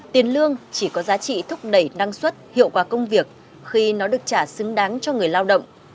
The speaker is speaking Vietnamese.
tiền lương chỉ có giá trị thúc đẩy năng suất hiệu quả công việc khi nó được trả xứng đáng cho người lao động